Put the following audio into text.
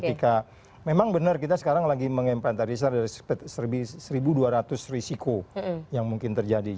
ketika memang benar kita sekarang lagi mengempal antar risiko dari satu dua ratus risiko yang mungkin terjadi